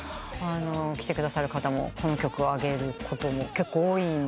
来てくださる方もこの曲あげることも結構多いんですよ。